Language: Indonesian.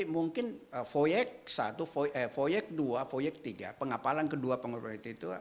mungkin foyek satu eh foyek dua foyek tiga pengapalan kedua pengapalan ketiga itu